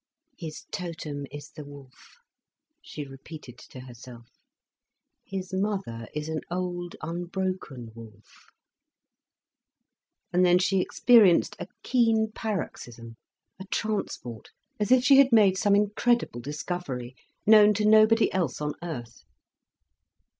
"His totem is the wolf," she repeated to herself. "His mother is an old, unbroken wolf." And then she experienced a keen paroxyism, a transport, as if she had made some incredible discovery, known to nobody else on earth.